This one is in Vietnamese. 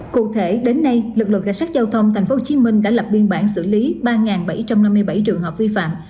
cụ thể đến nay lực lượng cảnh sát giao thông thành phố hồ chí minh đã lập biên bản xử lý ba bảy trăm năm mươi bảy trường hợp vi phạm